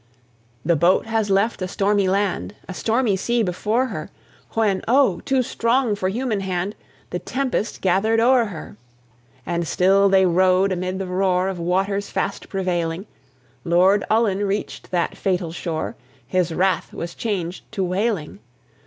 The boat has left a stormy land, A stormy sea before her, When, oh! too strong for human hand, The tempest gathered o'er her. And still they row'd amid the roar Of waters fast prevailing: Lord Ullin reach'd that fatal shore, His wrath was changed to wailing.